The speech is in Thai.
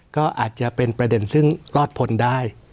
ก็อาจจะเป็นประเด็นซึ่งรอดพ้นได้